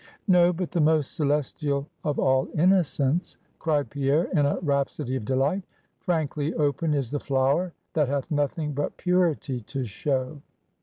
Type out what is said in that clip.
"No; but the most celestial of all innocents," cried Pierre, in a rhapsody of delight. "Frankly open is the flower, that hath nothing but purity to show."